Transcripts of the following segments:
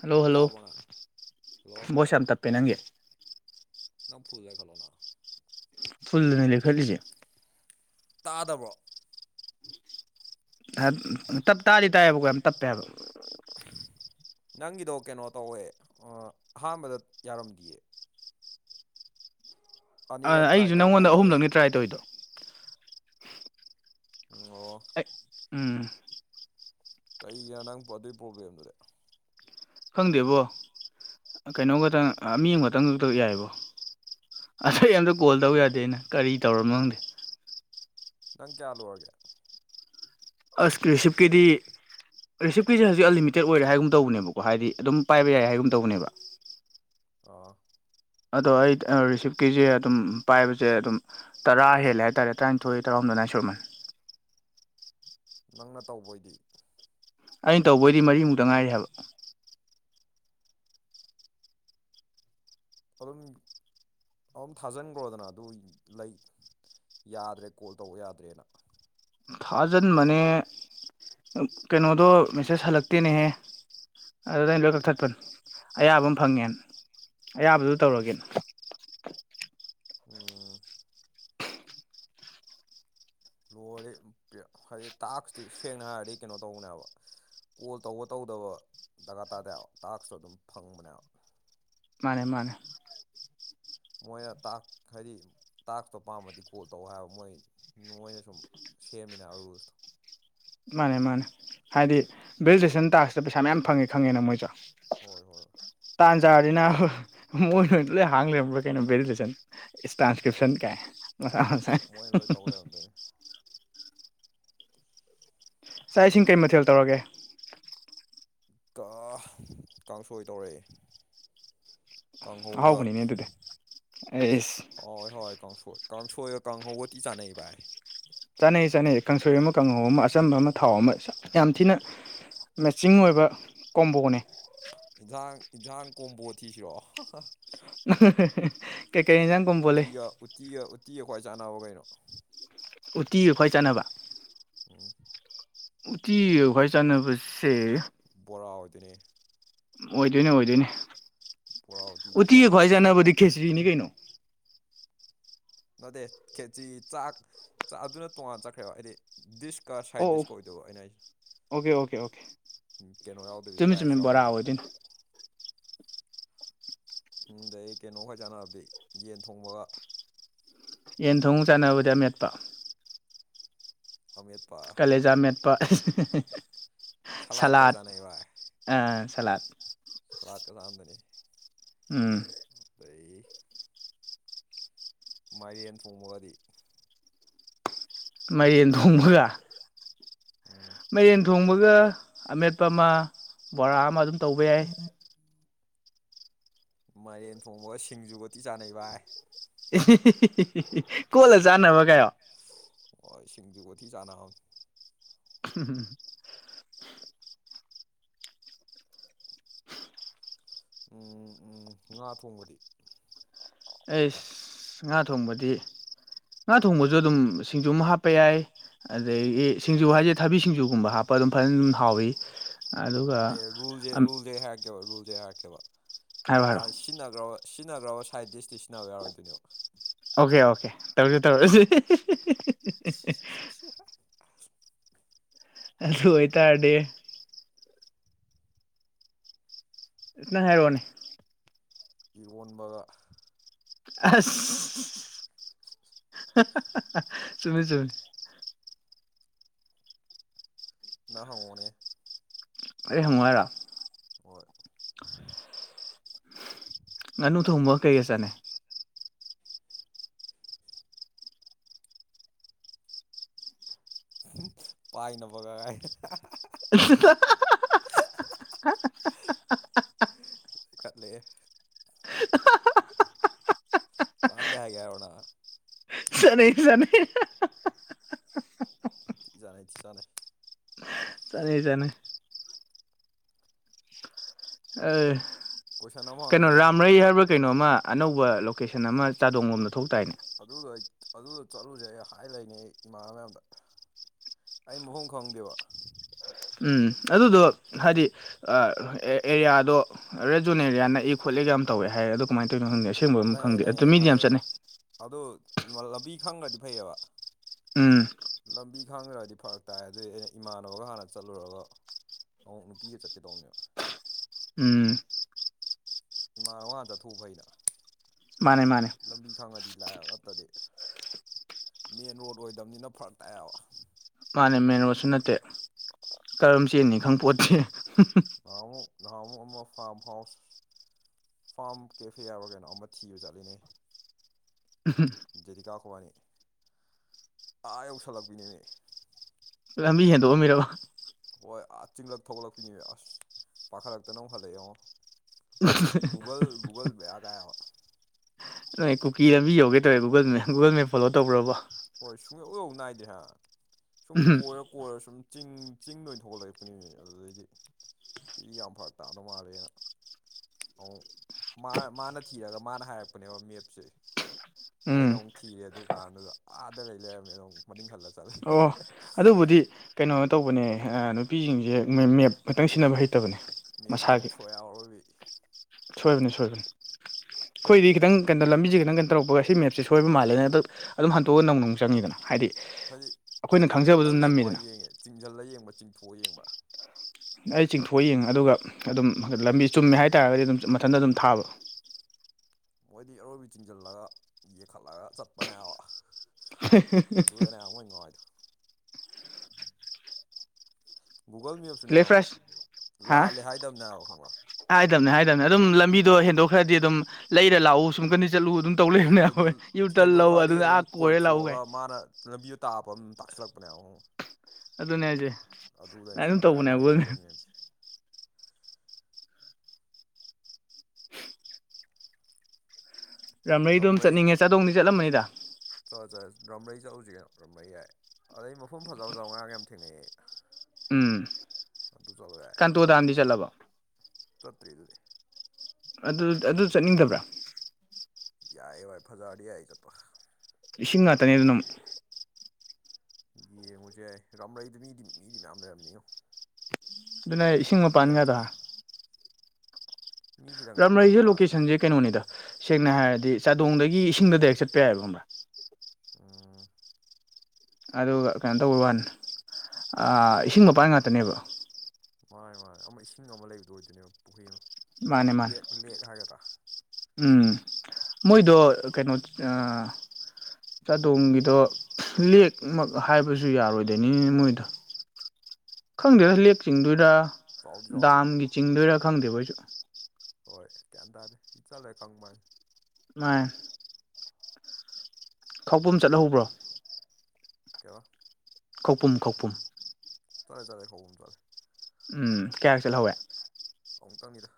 Hello hello ꯇꯥꯕ꯭ꯔꯣꯅ hello voice ꯌꯥꯝ ꯇꯞꯄꯦ ꯅꯪꯒꯤ ꯅꯪ ꯐꯨꯜ ꯂꯩꯈꯠꯂꯣꯅ ꯐꯨꯜꯗꯅꯦ ꯂꯩ ꯈꯠ ꯂꯤꯁꯦ ꯇꯥꯗꯕ꯭ꯔꯣ [unintelligible] ꯇꯞ ꯇꯥꯗꯤ ꯇꯥꯏꯌꯦꯕꯀꯣ ꯌꯥꯝ ꯇꯞꯄꯦ ꯍꯥꯏꯕ ꯅꯪꯒꯤꯗꯣ ꯀꯩꯅꯣ ꯇꯧꯋꯦ [unintelligible] ꯑꯍꯥꯟꯕꯗ ꯌꯥꯔꯝꯗꯤꯌꯦ ꯑꯥ ꯑꯅꯤꯔꯛ ꯇ꯭ꯔꯥꯏ ꯑꯩꯖꯨ ꯅꯪꯉꯣꯟꯗ ꯇꯧꯔꯀꯥꯟꯗ ꯌꯥꯔꯛꯑꯦ ꯑꯍꯨꯝꯂꯛꯅꯦ ꯇ꯭ꯔꯥꯏ ꯇꯧꯔꯤꯗꯣ ꯑꯣ ꯑꯩ ꯎꯝ ꯀꯩꯒꯤꯔꯥ ꯅꯪ ꯄꯣ ꯑꯗꯨꯏ ꯄ꯭ꯔꯣꯕ꯭ꯂꯦꯝꯗꯨꯗꯤ ꯈꯪꯗꯦꯕꯣ ꯀꯩꯅꯣꯝ ꯈꯇꯪ ꯑꯥ ꯃꯤ ꯑꯃꯈꯇꯪꯇ [unintelligible] ꯌꯥꯏꯌꯦꯕꯣ ꯑꯇꯩ ꯑꯝꯇ ꯀꯣꯜ ꯇꯧ ꯌꯥꯗꯦ ꯑꯩꯅ ꯀꯔꯤ ꯇꯧꯔꯕꯅꯣ ꯈꯪꯗꯦ ꯅꯪ ꯀ꯭ꯌꯥ ꯂꯣꯏꯔꯒꯦ ꯑꯁ ꯀ꯭ꯔꯤꯁꯤꯞꯀꯤꯗꯤ ꯀ꯭ꯔꯤꯁꯤꯞꯀꯤꯁꯦ ꯍꯧꯖꯤꯛ ꯑꯟꯂꯤꯃꯤꯇꯦꯠ ꯑꯣꯏꯔꯦ ꯍꯥꯏꯒꯨꯝ ꯇꯧꯕꯅꯦꯕꯀꯣ ꯍꯥꯏꯗꯤ ꯑꯗꯨꯝ ꯄꯥꯏꯕ ꯌꯥꯏ ꯍꯥꯏꯒꯨꯝ ꯇꯧꯕꯅꯦꯕ ꯑꯥ ꯑꯗꯣ ꯑꯩ ꯔꯤꯁꯤꯞꯀꯤꯁꯦ ꯑꯗꯨꯝ ꯄꯥꯏꯕꯁꯦ ꯑꯗꯨꯝ ꯇꯔꯥ ꯍꯦꯜꯂꯦ ꯍꯥꯏꯇꯥꯔꯦ ꯇ꯭ꯔꯥꯅꯤꯊꯣꯏ ꯇ꯭ꯔꯥꯍꯨꯝꯗꯣꯏ ꯑꯗꯨꯃꯥꯢꯟ ꯁꯨꯔꯝꯃꯅꯤ ꯅꯪꯅ ꯇꯧꯕꯩꯗꯤ ꯑꯩꯅ ꯇꯧꯕꯩꯗꯤ ꯃꯔꯤꯃꯨꯛꯇ ꯉꯥꯏꯔꯤ ꯍꯥꯏꯕ [unintelligible] ꯑꯝ ꯊꯖꯤꯟꯉꯣꯗꯅ ꯑꯗꯨ ꯂꯩ ꯌꯥꯗ꯭ꯔꯦ ꯀꯣꯜ ꯇꯧꯕ ꯌꯥꯗ꯭ꯔꯦꯅ ꯊꯥꯖꯤꯟꯕꯅꯦ ꯀꯩꯅꯣꯗꯣ ꯃꯦꯁꯦꯁ ꯍꯜꯂꯛꯇꯦꯅꯦꯍꯦ ꯑꯗꯨꯗꯩꯩ ꯑꯩꯅ ꯂꯣꯏ ꯀꯛꯊꯠꯄꯅꯤ ꯑꯌꯥꯕ ꯑꯃ ꯐꯪꯉꯦꯅ ꯑꯌꯥꯕꯗꯨ ꯇꯧꯔꯒꯦꯅ ꯎꯝ ꯂꯣꯏꯔꯦ [unintelligible] ꯍꯥꯏꯗꯤ ꯇꯥꯛꯁꯇꯤ ꯁꯦꯡꯅ ꯍꯥꯏꯔꯗꯤ ꯀꯩꯅꯣ ꯇꯧꯕꯅꯦꯕ ꯀꯣꯜ ꯇꯧꯕ ꯇꯧꯗꯕ ꯗꯔꯀꯥꯔ ꯇꯥꯗꯦ ꯍꯥꯏꯕ ꯇꯥꯛꯁꯇꯣ ꯑꯗꯨꯝ ꯐꯪꯕꯅꯦꯕ ꯃꯥꯅꯦ ꯃꯥꯅꯦ ꯃꯣꯏꯅ ꯇꯥꯛ ꯈꯥꯔꯤ ꯇꯥꯛꯁꯇꯣ ꯄꯥꯝꯃꯗꯤ ꯀꯣꯜ ꯇꯧ ꯍꯥꯏꯕ ꯃꯣꯏ ꯃꯣꯏꯅ ꯁꯨꯝ ꯁꯦꯝꯃꯤꯅꯦ ꯍꯥꯏꯕ ꯔꯨꯜꯁ ꯇꯣ ꯃꯥꯅꯦ ꯃꯥꯅꯦ ꯍꯥꯏꯗꯤ ꯕꯦꯂꯤꯗꯦꯁꯟ ꯇꯥꯛꯁꯇꯥ ꯄꯩꯁꯥ ꯃꯌꯥꯝ ꯐꯪꯉꯦ ꯈꯪꯉꯦꯅ ꯃꯣꯏꯁꯨ ꯍꯣꯏ ꯍꯣꯏ ꯇꯥꯟꯆꯥꯔꯗꯤ ꯅꯪ ꯃꯣꯏꯅ ꯂꯣꯏ ꯍꯥꯡ ꯂꯩꯔꯝꯕ꯭ꯔꯥ ꯀꯩꯅꯣ ꯕꯦꯂꯤꯗꯦꯁꯟ ꯏꯁ ꯍꯣꯏ ꯇ꯭ꯔꯥꯟꯁꯀ꯭ꯔꯤꯞꯁꯟ ꯀꯥꯏ ꯃꯊꯥ ꯌꯥꯝ ꯁꯥꯏ ꯃꯣꯏꯅ ꯂꯣꯏ ꯇꯧ ꯂꯩꯔꯝꯗꯣꯏꯅꯦ ꯆꯥꯛ ꯏꯁꯤꯡ ꯀꯩ ꯃꯊꯦꯜ ꯇꯧꯔꯒꯦ ꯀ ꯀꯥꯡꯁꯣꯏ ꯇꯧꯔꯦ ꯑꯍꯥꯎꯕꯅꯤꯅꯦ ꯑꯗꯨꯗꯤ ꯑꯩꯁ ꯍꯥꯎꯋꯦ ꯍꯥꯎꯋꯦ ꯀꯥꯡꯁꯣꯏ ꯀꯥꯡꯁꯣꯏꯒ ꯀꯥꯡꯍꯧꯒ ꯊꯤ ꯆꯥꯅꯩ ꯚꯥꯏ ꯆꯥꯅꯩ ꯆꯥꯅꯩ ꯀꯥꯡꯁꯣꯏ ꯑꯃ ꯀꯥꯡꯍꯧ ꯑꯃ ꯑꯆꯝꯕ ꯑꯃ ꯊꯥꯎ ꯑꯃ ꯌꯥꯝ ꯊꯤꯅ ꯃꯦꯠꯆꯤꯡ ꯑꯣꯏꯕ ꯀꯣꯝꯕꯣꯅꯦ ꯏꯟꯖꯥꯡ ꯏꯟꯖꯥꯡ ꯀꯣꯝꯕꯣ ꯊꯤꯁꯤꯔꯣ [unintelligible] [unintelligible] ꯀꯩ ꯀꯩ ꯏꯟꯖꯥꯡ ꯎꯇꯤꯒ ꯎꯇꯤꯒ ꯎꯇꯤꯒ ꯈ꯭ꯋꯥꯏ ꯆꯥꯟꯅꯕ ꯀꯩꯅꯣ ꯎꯇꯤꯒ ꯈ꯭ꯋꯥꯏ ꯆꯥꯟꯅꯕ ꯎꯝ ꯎꯇꯤ ꯒꯥ ꯈꯋꯥꯏ ꯆꯥꯟꯅꯕ ꯁꯦ ꯕꯣꯔꯥ ꯑꯣꯏꯗꯣꯏꯅꯦ ꯑꯣꯏꯗꯣꯏꯅꯦ ꯑꯣꯏꯗꯣꯏꯅꯦ ꯕꯣꯔꯥ ꯎꯇꯤ ꯊꯤ ꯎꯇꯤꯒ ꯆꯥꯅꯩ ꯈ꯭ꯋꯥꯏ ꯆꯥꯟꯅꯕꯗꯤ ꯈꯦꯆꯔꯤꯅꯤ ꯀꯩꯅꯣ ꯅꯠꯇꯦ ꯈꯦꯆꯔꯤ ꯆꯥꯛ ꯆꯥꯛ ꯑꯗꯨꯅ ꯇꯣꯉꯥꯟ ꯆꯠꯈ꯭ꯔꯦꯕ ꯍꯥꯏꯗꯤ ꯗꯤꯁꯀ ꯁꯥꯏꯠ ꯑꯣ ꯑꯣ ꯗꯤꯁꯀ ꯑꯣꯏꯗꯣꯏꯕ ꯑꯩꯅ ꯍꯥꯏꯗꯤ ꯑꯣꯀꯦ ꯑꯣꯀꯦ ꯑꯣꯀꯦ ꯎꯝ ꯀꯩꯅꯣ ꯌꯥꯎꯗꯕꯤꯗ ꯆꯨꯝꯃꯤ ꯆꯨꯝꯃꯤ ꯔꯥꯏꯁ ꯕꯣꯔꯥ ꯌꯥꯎꯗꯕꯤꯗ ꯑꯣꯏꯗꯣꯏꯅꯤ ꯎꯝ ꯗꯩ ꯀꯩꯅꯣ ꯈꯋ꯭ꯥꯏ ꯆꯥꯟꯅꯕꯗꯤ ꯌꯦꯟ ꯊꯣꯡꯕꯒ ꯌꯦꯟ ꯊꯣꯡ ꯆꯥꯟꯅꯕꯗꯤ ꯑꯃꯦꯠꯄ꯫ ꯑꯃꯦꯠꯄ ꯀꯂꯦꯖꯥ ꯃꯦꯠꯄ [unintelligible] ꯁꯂꯥꯗꯀ ꯁꯂꯥꯠ ꯆꯥꯅꯩ ꯚꯥꯏ ꯑ ꯁꯂꯥꯗ [unintelligible] ꯂꯥꯟꯗꯅꯤ ꯎꯝ ꯑꯩ [unintelligible] ꯃꯥꯏꯔꯦꯟ ꯊꯣꯡꯕꯒꯗꯤ ꯃꯥꯏꯔꯦꯟ ꯊꯣꯡꯕꯒ ꯎꯝ ꯃꯥꯏꯔꯦꯟ ꯊꯣꯡꯕꯒ ꯑꯃꯦꯠꯄ ꯑꯃ ꯕꯣꯔꯥ ꯑꯃ ꯑꯗꯨꯝ ꯇꯧꯕ ꯌꯥꯏ ꯃꯥꯏꯔꯦꯟ ꯊꯣꯡꯕꯒ ꯁꯤꯡꯖꯨꯒ ꯊꯤ ꯆꯥꯟꯅꯩ ꯚꯥꯏ ꯀꯣꯠꯂꯥ ꯆꯥꯅꯕ ꯀꯥꯏꯌꯣ ꯍꯣꯏ ꯁꯤꯡꯖꯨꯒ ꯊꯤ ꯆꯥꯅꯕꯅꯤ [unintelligible] ꯎꯝ ꯎꯝ ꯉꯥ ꯊꯣꯡꯕꯗꯤ ꯑꯩꯁ ꯉꯥ ꯊꯣꯡꯕꯗꯤ ꯉꯥ ꯊꯣꯡꯕꯖꯨ ꯑꯗꯨꯝ ꯁꯤꯡꯖꯨ ꯑꯃ ꯍꯥꯞꯄ ꯌꯥꯏ ꯑꯗꯒꯤ ꯁꯤꯡꯖꯨ ꯍꯥꯏꯖꯦ ꯊꯕꯤ ꯁꯤꯡꯖꯨꯒꯨꯝꯕ ꯍꯥꯞꯄ ꯑꯗꯨꯝ ꯐꯖ ꯑꯗꯨꯝ ꯍꯥꯎꯏ ꯑꯗꯩ ꯔꯨꯜꯖꯦ ꯔꯨꯜꯖꯦ ꯑꯩ ꯍꯥꯏꯔꯛ ꯀꯦꯕ ꯔꯨꯜꯖꯦ ꯑꯩ ꯍꯥꯏꯔꯛꯀꯦꯕ ꯍꯥꯏꯔꯣ ꯍꯥꯏꯔꯣ ꯑꯥ ꯁꯤꯖꯤꯟꯅꯒꯔꯕ ꯁꯤꯖꯤꯟꯅꯒꯔꯕ ꯁꯥꯏꯠ ꯗꯤꯁꯇꯤ ꯁꯤꯖꯤꯟꯅꯕ ꯌꯥꯔꯣꯏꯗꯣꯏꯅꯦꯕ꯫ Okay okay ꯇꯧꯖꯤ ꯇꯧꯔꯖꯤ꯫ [unintelligible] ꯑꯗꯨ ꯑꯣꯏꯇꯥꯔꯗꯤ ꯅꯪ ꯍꯥꯏꯔꯛꯑꯣꯅꯦ ꯏꯔꯣꯟꯕ ꯑꯁ [unintelligible] [unintelligible] ꯆꯨꯨꯝꯃꯤ ꯆꯨꯝꯃꯤ꯫ ꯅꯪ ꯍꯪꯉꯨꯅꯦ ꯑꯩ ꯍꯪꯉꯣ ꯍꯥꯏꯔꯣ ꯍꯣꯏ ꯉꯥꯅꯨ ꯊꯣꯡꯕꯒ ꯀꯩꯒ ꯆꯥꯅꯩ ꯍꯝ ꯄꯥꯏꯅꯕꯒ ꯍꯥꯏ [unintelligible] [unintelligible] ꯀꯠꯂꯦꯍꯦ [unintelligible] ꯆꯥꯟꯗꯦ ꯍꯥꯏꯒꯦ ꯍꯥꯏꯔꯣ ꯅꯪ ꯆꯥꯅꯩ ꯆꯥꯅꯩ [unintelligible] ꯊꯤ ꯆꯥꯅꯩ ꯊꯤ ꯆꯥꯅꯩ ꯆꯥꯅꯩ ꯆꯥꯅꯩ꯫ ꯑꯥꯏ ꯀꯣꯏꯁꯟ ꯑꯃ ꯀꯩꯅꯣ ꯍꯪꯒꯦꯅꯦ ꯔꯥꯝꯔꯩ ꯍꯥꯏꯕꯔꯥ ꯀꯩꯅꯣꯃ ꯑꯅꯧꯕ ꯂꯣꯀꯦꯁꯟ ꯑꯃ ꯆꯥꯗꯣꯡ ꯂꯣꯝꯗ ꯊꯣꯛ ꯇꯥꯏꯅꯦ ꯑꯗꯨꯗꯣ ꯑꯩ ꯑꯗꯨꯗꯣ ꯆꯠꯂꯨꯖꯦ ꯑꯩ ꯍꯥꯏ ꯂꯩꯅꯦ ꯑꯩ ꯏꯃꯥꯟꯅꯕ ꯃꯌꯥꯝꯗ ꯑꯩ ꯃꯐꯝ ꯈꯪꯗꯦꯕ ꯎꯝ ꯑꯗꯨꯗꯣ ꯍꯥꯏꯗꯤ ꯑꯥ ꯑꯦꯔꯤꯌꯥꯗꯣ ꯔꯦꯠꯖꯣꯟ ꯑꯦꯔꯤꯌꯥ ꯅꯛꯏ ꯈꯣꯠꯂꯤꯒ ꯌꯥꯝ ꯇꯧꯌꯦ ꯍꯥꯏꯌꯦ ꯑꯗꯣ ꯀꯃꯥꯏꯅ ꯇꯧꯏꯅꯣ ꯈꯪꯗꯦꯁꯤ ꯑꯁꯦꯡꯕ ꯑꯃ ꯈꯪꯗꯦ ꯑꯗꯣ ꯃꯤꯗꯤ ꯌꯥꯝ ꯆꯠꯅꯩ ꯑꯗꯨ ꯂꯝꯕꯤ ꯈꯪꯉ꯭ꯔꯗꯤ ꯐꯩꯑꯕ ꯎꯝ ꯂꯝꯕꯤ ꯈꯪꯗ꯭ꯔꯗꯤ ꯐꯔꯛ ꯇꯥꯏ ꯑꯗꯨꯏ ꯑꯩꯅ ꯏꯃꯥꯟꯅꯕꯒ ꯍꯥꯟꯅ ꯆꯠꯂꯨꯔꯒ ꯑꯃꯨꯛ ꯅꯨꯄꯤꯒ ꯆꯠꯀꯦ ꯇꯧꯕꯅꯦꯕ ꯎꯝ ꯏꯃꯥꯟꯅꯕ ꯉꯥꯛꯇ ꯊꯣꯛꯎꯕ ꯐꯩꯅ ꯃꯥꯅꯦ ꯃꯥꯅꯦ ꯂꯝꯕꯤ ꯈꯪꯉꯗꯤ ꯂꯥꯏꯑꯕ ꯅꯠꯇꯗꯤ ꯃꯦꯟ ꯔꯣꯗ ꯑꯣꯏꯗꯕꯅꯤꯅ ꯐꯔꯛ ꯇꯥꯛꯑꯦꯕ ꯃꯥꯅꯦ ꯃꯦꯟ ꯔꯣꯗꯁꯨ ꯅꯠꯇꯦ ꯀꯔꯝ ꯆꯦꯟꯅꯤ ꯈꯪꯄꯣꯠꯇꯦ ꯅꯍꯥꯟꯃꯨꯛ ꯅꯍꯥꯟꯃꯨꯛ ꯑꯃ ꯐꯥꯝ ꯍꯥꯎꯁ ꯐꯥꯝ ꯀꯦꯐꯦ ꯌꯥꯎꯕꯔ ꯀꯩꯅꯣꯝ ꯑꯃ ꯊꯤꯕ ꯆꯠꯂꯤꯅꯦ [inaudible] ꯖꯦꯗꯤꯀꯥ ꯑꯩꯈꫭꯏꯕꯥꯅꯤ ꯑꯥ ꯌꯧꯁꯜꯂꯛꯄꯤꯅꯦꯃꯤ ꯂꯕꯤ ꯍꯦꯟꯗꯣꯛ ꯑꯝꯃꯤꯔꯕ ꯍꯣꯏ ꯑꯥ ꯆꯤꯡꯂꯛ ꯊꯣꯛꯒꯠꯂꯛꯄꯤꯅꯦꯕ ꯑꯁ ꯄꯥꯈꯠꯂꯛꯇꯅ ꯑꯃꯨꯛ ꯍꯜꯂꯛꯑꯦꯉꯣ ꯨ [unintelligible] ꯅꯣꯏ ꯀꯨꯀꯤ ꯂꯝꯕꯤ ꯌꯧꯒꯦ ꯇꯧꯋꯦ Google map Google map follow ꯇꯧꯕ꯭ꯔꯕ ꯍꯣꯏ ꯁꯨꯡꯌꯧ‌ ꯌꯧ ꯅꯥꯏꯗ꯭ꯔꯦ ꯍꯥꯏ ꯁꯨꯝ ꯎꯝ ꯀꯣꯏꯔ ꯀꯣꯔꯔ ꯁꯨꯝ ꯆꯤꯡ ꯆꯤꯡꯗ ꯑꯣꯏꯅ ꯊꯣꯛꯒꯠꯂꯛꯄꯅꯦ ꯑꯗꯨꯗꯩꯗꯤ ꯁꯤꯗꯤ ꯌꯥꯝ ꯐꯔꯛ ꯇꯥꯗꯧ ꯃꯥꯜꯂꯦꯅ ꯑꯃꯨꯛ ꯃꯥ ꯃꯥꯅ ꯊꯤꯔꯒ ꯃꯥꯅ ꯍꯥꯏꯔꯛꯄꯅꯦꯕ ꯃꯦꯞꯁꯦ ꯑꯩꯅ ꯎꯝ ꯑꯃꯨꯛ ꯊꯤꯔꯦ ꯑꯗꯨꯒ ꯀꯥꯟꯗꯨꯗ ꯑꯥꯗ ꯂꯩ ꯂꯩꯔꯝꯃꯦ ꯑꯗꯨ ꯑꯃꯨꯛ ꯃꯅꯤꯡ ꯍꯜꯂ ꯆꯠꯂꯦ ꯑꯣ ꯑꯗꯨꯕꯨꯗꯤ ꯀꯩꯅꯣꯅ ꯇꯧꯕꯅꯦ ꯅꯨꯄꯤꯖꯤꯡꯖꯦ ꯃꯦꯞ ꯈꯇꯪ ꯁꯤꯟꯅꯕ ꯍꯩꯇꯕꯅꯦ ꯃꯦꯞ ꯌꯦꯡꯕ ꯃꯁꯥꯒꯤ ꯁꫭꯌꯥꯎꯔꯕꯤ ꯁꯣꯏꯕꯅꯦ ꯁꯣꯏꯕꯅꯦ ꯑꯩꯈꯣꯏꯗꯤ ꯈꯤꯇꯪ ꯀꯩꯅꯣ ꯂꯝꯕꯤꯖꯦ ꯈꯤꯇꯪ ꯀꯩꯅꯣ ꯇꯧꯔꯛꯄꯒ ꯁꯤ ꯃꯦꯞꯁꯦ ꯁꯣꯏꯕ ꯃꯥꯜꯂꯦꯅꯦ‌ ꯗꯛ ꯑꯗꯨꯝ ꯍꯟꯇꯣꯛꯑꯒ ꯅꯧꯅ ꯑꯃꯨꯛ‌ ꯆꯪꯉꯤꯗꯅ ꯍꯥꯏꯗꯤ ꯐꯗꯤ ꯑꯩꯈꯣꯏꯅ ꯑꯩꯈꯣꯏꯗꯤ ꯈꯪꯖꯕꯗꯨ ꯅꯪ‌‌ ꯃꯦꯞ ꯅꯝꯃꯤꯗꯅ ꯀꯃꯥꯏꯅ ꯌꯦꯡꯉꯤ ꯆꯤꯡꯖꯤꯜꯂ ꯌꯦꯡꯕ ꯆꯤꯡꯊꯣꯛꯑꯌꯦꯡꯕ꯭ꯔ ꯑꯩ ꯆꯤꯡꯊꯣꯛꯑ ꯌꯦꯡꯉꯦ ꯑꯗꯨꯒ ꯑꯗꯨꯝ ꯂꯝꯕꯤ ꯆꯨꯝꯃꯦ ꯍꯥꯏꯇꯥꯥꯔꯒꯗꯤ ꯑꯗꯨꯝ ꯃꯊꯟꯇ ꯑꯗꯨꯝ ꯊꯥꯕ ꯃꯣꯏꯗꯤ ꯑꯔꯣꯏꯕꯤ ꯆꯤꯡꯖꯤꯜꯂꯒ ꯌꯦꯛꯈꯠꯂꯒ ꯆꯠꯄꯅꯦꯕ ꯑꯗꯨꯗꯅꯦꯕ ꯃꫭꯏꯅ ꯉꯥꯎꯋꯤꯗꯣ ꯒꯨꯒꯜ ꯃꯦꯞꯁꯨꯅꯦ ꯂꯦꯐ ꯈꯪꯕ꯭ꯔꯥ ꯔꯥꯏꯠ ꯍꯥ ꯂꯥꯜꯂꯦ ꯍꯥꯏꯗꯕꯅꯦꯕ ꯈꯪꯕ꯭ꯔꯥ ꯍꯥꯏꯗꯕꯅꯦ ꯍꯥꯏꯗꯕꯅꯦ ꯑꯗꯨꯝ ꯂꯝꯕꯤꯗꯣ ꯍꯦꯟꯗꯣꯛꯈ꯭ꯔꯗꯤ ꯑꯗꯨꯝ ꯂꯩꯔ ꯂꯥꯛꯎ ꯁꯨꯝ ꯀꯟꯗꯤ ꯆꯠꯂꯨ ꯑꯗꯨꯝ ꯇꯧ ꯂꯩꯕꯅꯦ ꯍꯣꯏ ꯑꯩꯈꯣꯏ ꯌꯨ ꯇꯔꯟ ꯂꯧ ꯍꯦꯟꯗꯣꯛꯈꯔꯗꯤ ꯑꯗꯨꯅ ꯑꯥ ꯑꯗꯨꯝ ꯀꯣꯏꯔ ꯂꯥꯛꯎ ꯀꯥꯏ ꯀꯣꯏꯊꯣꯛꯑꯒ ꯃꯥꯅ ꯂꯝꯕꯤ ꯑꯇꯥꯕꯝ ꯇꯥꯛꯁꯜꯂꯛꯄꯅꯦ ꯑꯗꯨꯅꯦ ꯍꯥꯏꯖꯦ ꯑꯗꯨꯗ ꯑꯩꯩꯅ [unintelligible] ꯒꯨꯒꯜ ꯃꯦꯞꯁꯦ ꯔꯥꯝꯔꯩꯗꯣꯝ ꯆꯠꯅꯤꯡꯉꯦ ꯆꯥꯗꯣꯡꯗꯤ ꯆꯠꯂꯝꯃꯅꯤꯗ ꯆꯠ ꯆꯠ ꯔꯥꯝꯔꯩ ꯆꯧꯎꯖꯤ ꯔꯥꯝꯔꯩ ꯌꯥꯏ ꯑꯗꯩ ꯃꯐꯝ ꯐꯖꯥꯕ ꯐꯖꯥꯕ ꯉꯔꯥꯡ ꯌꯥꯝ ꯊꯦꯡꯅꯩ ꯑꯩ ꯎꯝ ꯑꯗꯨ ꯆꯠꯂꯨ ꯌꯥꯏ ꯀꯥꯟꯇꯣ ꯗꯥꯝꯗꯤ ꯆꯠꯂꯕꯣ ꯆꯠꯇꯔꯤ ꯑꯗꯨꯗꯤ ꯑꯗꯨ ꯑꯗꯨ ꯆꯠꯅꯤꯡꯗꯕ꯭ꯔꯥ ꯌꯥꯏ ꯕꯥꯏ ꯐꯖꯔꯗꯤ ꯌꯥꯏ ꯆꯠꯄ ꯏꯁꯤꯡ ꯉꯥꯛꯇꯅꯦ ꯑꯗꯨꯅ ꯑꯃꯨꯛ ꯌꯦꯡꯉꯨꯖꯦ ꯌꯥꯏ ꯔꯝꯔꯩꯗꯤ ꯃꯤꯗꯤ ꯃꯤꯗꯤ ꯃꯌꯥꯝ ꯂꯩꯔꯝꯅꯤꯉꯣ ꯑꯗꯨꯅꯦ ꯏꯁꯤꯡ ꯃꯤ ꯌꯥꯝ ꯃꯄꯥꯟꯒꯗꯥ ꯆꯠꯅꯩ ꯃꯤ ꯈꯤꯇꯪ ꯆꯠꯇꯕ ꯔꯝꯔꯩꯖꯦ ꯖꯒꯥ ꯆꯠꯅꯩ ꯂꯣꯀꯦꯁꯟꯖꯦ ꯀꯩꯅꯣꯅꯤꯗ ꯁꯦꯡꯅ ꯍꯥꯏꯔꯗꯤ ꯆꯥꯗꯣꯡꯗꯒꯤ ꯏꯁꯤꯡꯗ ꯗꯥꯏꯔꯦꯛ ꯆꯠꯄ ꯌꯥꯏꯕ ꯈꯪꯕꯔ ꯎꯝ ꯑꯗꯨꯒ ꯀꯩꯅꯣ ꯇꯧꯕ ꯋꯥꯅꯤ ꯑꯥ ꯏꯁꯤꯡ ꯃꯄꯥꯟ ꯉꯥꯛꯇꯅꯦꯕ ꯃꯥꯅꯦ ꯃꯥꯅꯦ ꯑꯃ ꯏꯁꯤꯡ ꯑꯃ ꯂꯩꯕꯗꫭ ꯑꯣꯏꯗꫭꯏꯅꯦꯕ ꯄꯨꯈꯔꯤ ꯑꯃ ꯃꯥꯅꯦ ꯃꯥꯅꯦ ꯂꯦꯛ ꯂꯦꯛ ꯍꯥꯏꯒꯗ꯭ꯔꯥ ꯎꯝ ꯃꯣꯏꯗꯣ ꯀꯩꯅꯣ ꯆꯥꯗꯣꯡꯒꯤꯗꯣ ꯂꯦꯛꯃꯛ ꯍꯥꯏꯕꯖꯨ ꯌꯥꯔꯣꯏꯗꯣꯏꯅꯤꯅꯦ ꯃꯣꯏꯗꯣ ꯈꯪꯗꯦꯗ ꯂꯦꯛ ꯆꯤꯡꯗꯣꯏꯔꯥ ꯆꯥꯎꯗꯤ ꯆꯥꯎꯋꯦ ꯌꯥꯝ ꯗꯥꯝꯒꯤ ꯆꯤꯡꯗꯣꯏꯔꯥ ꯈꯪꯗꯦꯕ ꯑꯩꯖꯨ ꯍꯣꯏ ꯒꯤꯌꯥꯟ ꯇꯥꯗꯦ ꯆꯠꯂ ꯈꯪꯕꯗꯨꯅꯤ ꯃꯥꯏ ꯈꯥꯎꯕꯨꯝ ꯆꯠꯍꯧꯕ꯭ꯔꯣ ꯀꯦꯕ ꯈꯧꯄꯨꯝ ꯈꯧꯄꯨꯝ ꯆꯂꯦ ꯆꯂꯦ ꯈꯥꯎꯕꯨꯝ ꯆꯂꯦ ꯎꯝ ꯀꯌꯥꯔꯛ ꯆꯜꯍꯧꯋꯦ ꯑꯃꯨꯛꯇꯪꯅꯤꯗ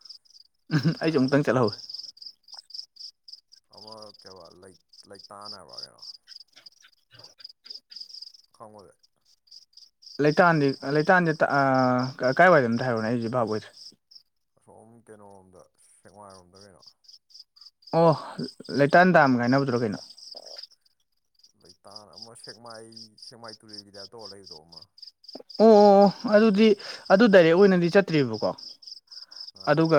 ꯎꯍꯨꯝ ꯑꯩꯖꯨ ꯒ꯭ꯌꯥꯟ ꯃꯦꯟ ꯑꯃꯨꯛꯇꯪ ꯆꯠꯍꯧꯋꯤ ꯇꯥꯍꯧꯗꯦ ꯑꯃ ꯀꯩꯕ ꯂꯩ ꯂꯩꯇꯥꯟ ꯍꯥꯏꯕ꯭ꯔ ꯀꯩꯅꯣ ꯈꯪꯕ꯭ꯔ ꯂꯩꯇꯥꯟꯗꯤ ꯂꯩꯇꯥꯟꯗꯤꯇ ꯑꯥ ꯀ ꯀꯥꯏꯋꯥꯏꯗꯅꯣ ꯑꯝꯇ ꯍꯥꯏꯔꯣꯅꯦ ꯑꯩꯖꯦ ꯚꯥꯕ ꯑꯣꯏꯗ꯭ꯔꯦ ꯑꯁꯣꯝ ꯀꯩꯅꯣꯔꯣꯝꯗ ꯁꯦꯡꯃꯥꯏꯔꯣꯝꯗ ꯀꯩꯅꯣ ꯑꯣ ꯂꯩꯇꯥꯟꯗꯥꯝꯒ ꯍꯥꯥꯏꯅꯕꯗꯨꯔꯣ ꯀꯩꯅꯣ ꯂꯩꯇꯥꯟ ꯑꯃ ꯁꯦꯛꯃꯥꯏ ꯁꯦꯛꯃꯥꯏ ꯇꯨꯔꯦꯜꯒꯤꯗꯥꯏꯞ ꯇꯧꯔꯒ ꯂꯩꯕꯗꯣ ꯑꯃ ꯑꯣ ꯑꯣ ꯑꯣ ꯑꯗꯨꯗꯤ ꯑꯗꯨ ꯗꯥꯏꯔꯦꯛ ꯑꯣꯏꯅꯗꯤ ꯆꯠꯇ꯭ꯔꯤꯕꯀꯣ ꯑꯥ ꯑꯗꯨꯒ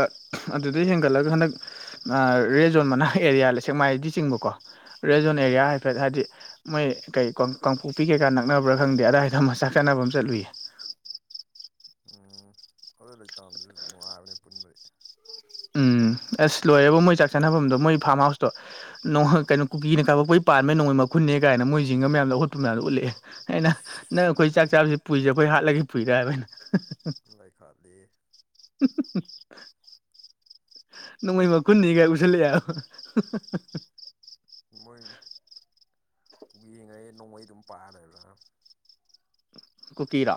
ꯑꯗꯨꯗꯩ ꯍꯦꯟꯒꯠꯂꯒ ꯍꯟꯗꯛ ꯑꯥ ꯔꯦꯠ ꯖꯣꯟ ꯃꯅꯥꯛ ꯑꯦꯔꯤꯌꯥ ꯂ ꯁꯦꯛꯃꯥꯏꯗꯤ ꯆꯤꯡꯕꯀꯣ ꯔꯦꯖꯣꯟ ꯎꯝ ꯑꯦꯔꯤꯌꯥ ꯐꯦꯠ ꯍꯥꯏꯗꯤ ꯃꯣꯏ ꯀꯩ ꯀꯥꯡꯄꯣꯛꯄꯤ ꯀꯩꯀꯥ ꯅꯛꯅꯕ꯭ꯔꯥ ꯈꯪꯗꯦ ꯑꯗꯥꯏꯗ ꯃꯆꯥꯛ ꯆꯥꯅꯕ ꯑꯃ ꯆꯠꯂꯨꯏꯌꯦ ꯎꯝ ꯑꯗꯨ ꯂꯩꯇꯥꯝꯗꯨꯖꯨ ꯅꯨꯡꯉꯥꯏꯕꯅꯦ ꯄꯨꯟꯕꯩ ꯎꯝ ꯑꯁ ꯂꯣꯏꯔꯦꯕꯨ ꯃꯣꯏ ꯆꯥꯛ ꯆꯥꯅꯐꯝꯗꯣ ꯃꯣꯏ ꯐꯥꯔꯝ ꯍꯥꯎꯁꯇꯣ ꯅꯣꯡ ꯀꯩꯅꯣ ꯀꯨꯀꯤꯅ ꯀꯥꯄꯛꯄꯩ ꯄꯥꯟꯕꯩ ꯅꯣꯡꯃꯩ ꯃꯈꯨꯟꯅꯦ ꯀꯥꯏꯅ ꯃꯣꯏ ꯖꯤꯡꯒ ꯃꯌꯥꯝ ꯂꯧ ꯍꯨꯠꯄ ꯃꯌꯥꯝꯗꯣ ꯎꯠꯂꯑꯦ ꯑꯩꯅ ꯅꯪ ꯑꯩꯈꯣꯏ ꯆꯥꯛ ꯆꯥꯕꯖꯦ ꯄꯨꯨꯏꯖꯦ ꯑꯈꯣꯏ ꯍꯥꯠꯂꯒꯦ ꯄꯨꯏꯔꯥ ꯍꯥꯏꯕ ꯑꯩꯅ [unintelligible] [unintelligible] [inaudible] ꯅꯣꯡꯃꯩ ꯃꯈꯨꯟꯅꯤꯒꯥꯏ ꯎꯁꯤꯜꯂꯑꯦ ꯍꯥꯏꯕ ꯃꯣꯏ ꯄꯨꯕꯤꯌꯦꯡꯉꯩ ꯅꯣꯡꯃꯩ ꯗꯨꯝ [unintelligible] ꯀꯨꯀꯤꯔꯣ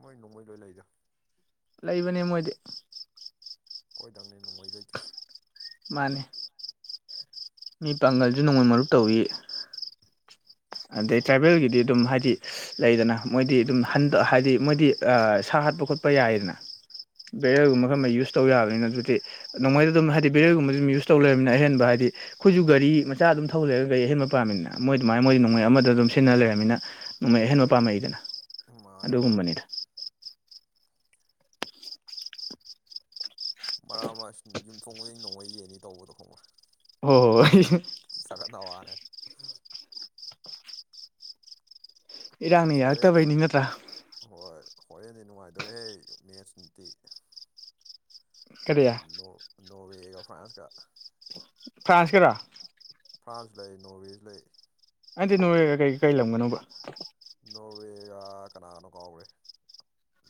ꯃꯣꯏ ꯅꯣꯡꯃꯩ ꯂꯣꯏ ꯂꯩꯗ ꯂꯩꯕꯅꯦ ꯃꯣꯏꯗꯤ ꯈꯣꯏꯗꯪꯅꯦ ꯅꯣꯡꯃꯩ ꯂꯩꯇ꯭ꯔꯤꯁꯤ ꯃꯥꯅꯦ ꯃꯤ ꯄꯥꯡꯒꯜꯖꯨ ꯅꯣꯡꯃꯩ ꯃꯔꯨꯞ ꯇꯧꯏ ꯑꯗꯩꯩ ꯍꯣꯏ ꯇ꯭ꯔꯥꯏꯕꯦꯜꯒꯤꯗꯤ ꯑꯗꯨꯝ ꯍꯥꯏꯗꯤ ꯂꯩꯗꯅ ꯃꯣꯏꯗꯤ ꯗꯨꯝ ꯍꯟꯗ ꯍꯥꯏꯗꯤ ꯃꯣꯏꯗꯤ ꯑꯥ ꯁꯥ ꯍꯥꯠꯄ ꯈꯣꯠꯄ ꯌꯥꯏꯗꯅ ꯕꯦꯌꯔꯒꯨꯝꯕ ꯈꯔ ꯍꯣꯏ ꯑꯃ ꯌꯨꯁ ꯇꯧ ꯌꯥꯕꯅꯤꯅ ꯑꯗꯨꯗꯤ ꯅꯣꯡꯃꯩꯗ ꯑꯗꯨꯝ ꯍꯥꯏꯗꯤ ꯕꯦꯌꯔꯒꯨꯝꯕꯖꯨ ꯑꯗꯨꯝ ꯌꯨꯁ ꯇꯧ ꯂꯩꯔꯃꯤꯅ ꯑꯍꯦꯟꯕ ꯍꯥꯏꯗꯤ ꯈꯣꯏꯖꯨ ꯒꯥꯔꯤ ꯃꯆꯥ ꯑꯗꯨꯝ ꯊꯧ ꯂꯩꯔꯒꯒ ꯒꯥꯔꯤ ꯑꯍꯦꯟꯕ ꯄꯥꯝꯃꯤꯅ ꯃꯣꯏ ꯗꯨꯃꯥꯏꯅ ꯃꯣꯏ ꯅꯣꯡꯃꯩ ꯑꯃꯗ ꯑꯗꯨꯝ ꯁꯤꯖꯤꯟꯅ ꯂꯩꯔꯃꯤꯅ ꯅꯣꯡꯃꯩ ꯑꯍꯦꯟꯕ ꯄꯥꯝꯃꯛꯏꯗꯅ ꯃꯥꯅꯦ ꯃꯥꯅꯦ ꯑꯗꯨꯒꯨꯝꯕꯅꯤꯗ ꯃꯔꯥꯛ ꯃꯥ ꯌꯨꯝꯊꯣꯡ ꯈꯨꯗꯤꯡ ꯅꯣꯡꯃꯩ ꯌꯦꯡꯅꯤ ꯇꯧꯕꯗꯣ ꯈꯪꯕ꯭ꯔꯥ ꯍꯣ ꯍꯣ ꯍꯣꯏ ꯊꯤ ꯆꯒꯅ ꯋꯥꯅꯦ ꯏꯔꯥꯡꯅ ꯍꯣꯔꯦꯟ ꯌꯥꯔꯛꯇꯕꯩꯅꯤ ꯅꯠꯇ꯭ꯔꯥ ꯍꯣꯏ ꯍꯣꯔꯦꯟꯗꯤ ꯅꯨꯡꯉꯥꯏꯗꯣꯔꯦꯍꯦ ꯃꯦꯠꯁ ꯇꯤ ꯀꯔꯤ ꯅꯣꯔ ꯅꯣꯔꯋꯦ ꯒ ꯐ꯭ꯔꯥꯟꯁ ꯀ ꯐ꯭ꯔꯥꯟꯁꯀꯔꯣ ꯐ꯭ꯔꯥꯟꯁꯨ ꯂꯩ ꯅꯣꯔꯋꯦꯁꯨ ꯂꯩ꯫ ꯅꯠꯇꯦ ꯅꯣꯔꯋꯦꯒ ꯀꯩ ꯀꯩ ꯂꯝꯒꯅꯣꯕ ꯫ ꯅꯣꯔꯋꯦꯒꯥ ꯀꯅꯥꯒꯅꯣ ꯀꯥꯎꯒꯔ꯭ꯦ ꯫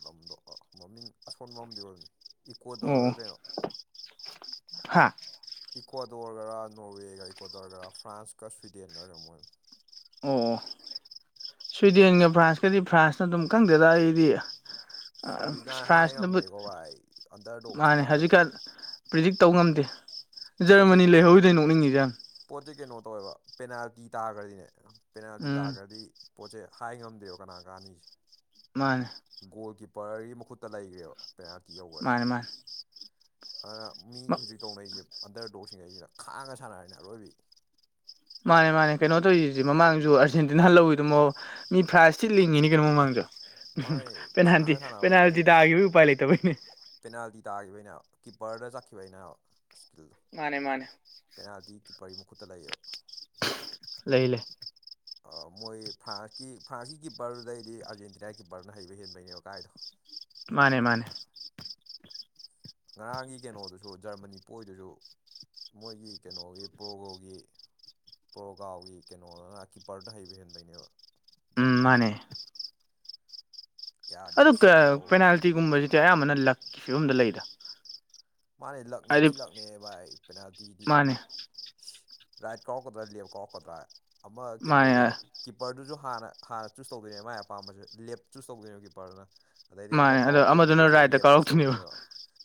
ꯂꯝꯗꯣ ꯑꯃꯃꯤꯡ ꯑꯁꯣꯟꯕ ꯑꯝꯗꯤ ꯑꯣꯏꯕꯅꯤ ꯫ ꯑꯣ ꯑꯣ ꯍꯥꯥ ꯏꯀꯋ꯭ꯥꯗꯣꯔꯒꯔꯥ ꯅꯣꯔꯋꯦꯒ ꯏꯀꯋ꯭ꯥꯗꯣꯔꯒꯔꯥ ꯐ꯭ꯔꯥꯟꯁꯀ ꯁ꯭ꯋꯤꯗꯦꯟꯒꯔꯥ ꯀꯩꯅꯣꯝ ꯑꯣꯏꯕꯅꯤ ꯫ ꯑꯣ ꯁ꯭ꯋꯤꯗꯦꯟꯒ ꯐ꯭ꯔꯥꯟꯁꯀꯗꯤ ꯐ꯭ꯔꯥꯟꯁꯅ ꯑꯗꯨꯝ ꯈꯪꯗꯦꯗ ꯑꯩꯗꯤ ꯫ ꯑꯑ ꯁꯨꯔꯤ ꯀꯥꯏ ꯍꯥꯏ ꯐ꯭ꯔꯥꯟꯁꯅꯕꯨꯠ ꯉꯝꯗ꯭ꯔꯦꯀꯣ ꯚꯥꯏ ꯑꯟꯗꯔꯗꯣꯛ ꯃꯥꯅꯦ ꯊꯤꯅ ꯈꯜꯂꯛꯏ ꯍꯧꯖꯤꯛꯀꯥꯟ ꯫ ꯄ꯭ꯔꯤꯗꯤꯛ ꯇꯧ ꯉꯝꯗꯦ ꯖꯔꯃꯅꯤ ꯂꯩꯍꯧꯔꯤꯗꯨ ꯑꯩꯟ ꯅꯣꯛꯅꯤꯡꯉꯤꯖꯦ ꯌꯥꯝ ꯫ ꯄꯣꯠꯇꯤ ꯀꯩꯅꯣ ꯇꯧꯋꯦꯕ ꯄꯦꯅꯥꯜꯇꯤ ꯇꯥꯒꯔ꯭ꯗꯤꯅꯦ ꯫ ꯄꯦꯅꯥꯜꯇꯤ ꯎꯝ ꯇꯥꯒꯔ꯭ꯗꯤ ꯄꯣꯠꯁꯦ ꯍꯥꯏ ꯉꯝꯗ꯭ꯔꯦꯕ ꯀꯅꯥ ꯀꯅꯤꯁꯦ ꯫ ꯃꯥꯅꯦ ꯒꯣꯜ ꯀꯤꯞꯄꯔꯒꯤ ꯃꯈꯨꯠꯇ ꯂꯩꯒꯔ꯭ꯦꯕ ꯄꯦꯅꯥꯜꯇꯤ ꯌꯧꯒꯔ꯭ꯗꯤ ꯃꯥꯅꯦ ꯃꯥꯅꯦ ꯫ ꯑꯗꯨꯅ ꯃꯤ ꯍꯨꯖꯤꯛ ꯇꯧꯅꯩꯖꯦ ꯑꯟꯗꯔ ꯗꯣꯛꯁꯤꯡꯉꯩꯁꯤꯅ ꯈꯥꯡꯉꯒ ꯁꯥꯟꯅꯔꯤꯅꯦ ꯑꯔꯣꯏꯕꯤ꯫ ꯃꯥꯅꯦ ꯃꯥꯅꯦ ꯀꯩꯅꯣ ꯇꯧꯔꯤꯖꯤꯗꯤ ꯃꯃꯥꯡꯖꯨ ꯑꯥꯔꯖꯦꯟꯇꯤꯅꯥ ꯂꯧꯋꯤꯗꯨꯝ ꯃꯤ ꯐ꯭ꯔꯥꯟꯁ ꯊꯤꯟ ꯂꯤꯡꯉꯤꯅꯤ ꯀꯩꯅꯣ ꯃꯃꯥꯡꯖꯨ ꯫ ꯎꯝ ꯃꯥꯅꯦ ꯄꯦꯅꯥꯟꯇꯤ ꯈꯥꯡꯉ ꯁꯥꯟꯅꯕꯩꯅꯦ ꯄꯦꯅꯥꯜꯇꯤ ꯑꯥꯔꯖꯦꯟꯇꯤꯅꯥ ꯇꯥꯒꯤꯕꯩ ꯎꯄꯥꯏ ꯂꯩꯇꯕꯩꯅꯦ꯫ ꯄꯦꯅꯥꯜꯇꯤ ꯇꯥꯒꯤꯕꯩꯅꯦ ꯍꯥꯏꯕ ꯀꯤꯞꯄꯔꯗ ꯆꯠꯈꯤꯕꯩꯅꯦ ꯍꯥꯏꯕ ꯁ꯭ꯀꯤꯜꯗꯣ꯫ ꯃꯥꯅꯦ ꯃꯥꯅꯦ ꯀꯗꯤ ꯀꯤꯄꯔꯒꯤ ꯃꯈꯨꯠꯇ ꯂꯩꯌꯦꯕ꯫ ꯂꯩ ꯂꯩ ꯑꯥ ꯃꯣꯏ ꯐ꯭ꯔꯥꯟꯁꯀꯤ ꯐ꯭ꯔꯥꯟꯁꯀꯤ ꯀꯤꯞꯄꯔꯗꯨꯗꯩꯗꯤ ꯑꯥꯔꯖꯦꯟꯇꯤꯅꯥ ꯀꯤꯞꯄꯔꯅ ꯍꯩꯕ ꯍꯦꯟꯕꯩꯅꯦꯕ ꯀꯥꯏꯗꯣ꯫ ꯃꯥꯅꯦ ꯃꯥꯅꯦ ꯉꯔꯥꯡꯒꯤ ꯀꯩꯅꯣꯗꯨꯁꯨ ꯖꯔꯃꯅꯤ ꯄꯣꯏꯗꯨꯁꯨ꯫ ꯃꯣꯏꯒꯤ ꯀꯩꯅꯣꯒꯤ ꯄ꯭ꯔꯣꯒꯣꯒꯤ꯫ ꯄ꯭ꯔꯣꯒꯥꯎꯒꯤ ꯀꯩꯅꯣꯗꯨꯅ ꯀꯤꯞꯄꯔꯗ ꯍꯩꯕ ꯍꯦꯟꯕꯩꯅꯦꯕ ꯎꯝ ꯖꯔꯃꯅꯤꯗꯩ ꯃꯥꯅꯦ ꯫ ꯑꯗꯨ ꯌꯥꯗꯦꯕ ꯀꯥ ꯁꯦꯞ ꯈꯨꯇꯧ ꯄꯦꯅꯥꯜꯇꯤꯒꯨꯝꯕꯖꯤꯗꯤ ꯑꯌꯥꯝꯕꯅ ꯂꯛꯀꯤ ꯐꯤꯕꯝꯗ ꯂꯩꯗ꯫ ꯃꯥꯅꯦ ꯂꯛꯅꯦ ꯍꯥꯏꯗꯤ ꯊꯤꯂꯛꯅꯦ ꯚꯥꯏ ꯄꯦꯅꯥꯜꯇꯤꯖꯤꯗꯤ꯫ ꯃꯥꯅꯦ ꯔꯥꯏꯠ ꯀꯥꯎꯔꯛꯀꯗ꯭ꯔꯥ ꯂꯦꯐ ꯀꯥꯎꯔꯛꯀꯗ꯭ꯔꯥ ꯑꯃ ꯃꯥꯅꯦ ꯀꯩꯅꯣꯖꯦ ꯫ ꯀꯤꯞꯄꯔꯗꯨꯖꯨ ꯍꯥꯟꯅ ꯍꯥꯟꯅ ꯆꯨꯁ ꯇꯗꯣꯏꯅꯦ ꯃꯥꯏ ꯑꯄꯥꯝꯕꯖꯨ ꯂꯦꯞ ꯆꯨꯁ ꯇꯧꯗꯣꯏꯅꯦꯕ ꯀꯤꯞꯄꯔꯗꯨꯅ꯫ ꯑꯗꯩꯗꯤ ꯑꯃ ꯃꯥꯅꯦ ꯑꯗꯣ ꯀꯥꯎꯔꯛꯇꯣꯏ ꯑꯃꯗꯨꯅ ꯃꯤꯗꯨꯁꯨ ꯔꯥꯏꯠꯇ ꯂꯦꯞ ꯆꯨꯁ ꯀꯥꯎꯔꯛꯇꯣꯏꯅꯦꯕ ꯇꯧꯗꯣꯏꯅꯦꯕ꯫